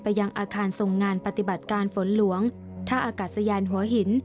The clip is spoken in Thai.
ยังอาคารทรงงานปฏิบัติการฝนหลวงท่าอากาศยานหัวหิน